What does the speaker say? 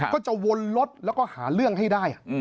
ก็จะวนรถแล้วก็หาเรื่องให้ได้